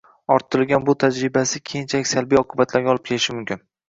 orttirgan bu tajribasi keyinchalik salbiy oqibatlarga olib kelishi mumkin.